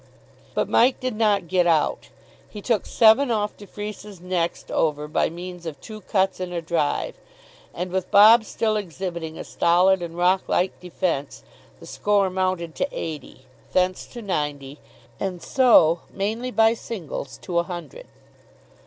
But Mike did not get out. He took seven off de Freece's next over by means of two cuts and a drive. And, with Bob still exhibiting a stolid and rock like defence, the score mounted to eighty, thence to ninety, and so, mainly by singles, to a hundred.